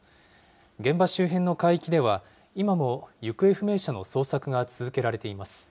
現場周辺の海域では、今も行方不明者の捜索が続けられています。